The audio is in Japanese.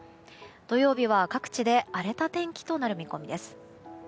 土曜日は各地で荒れた天気となる見込みです。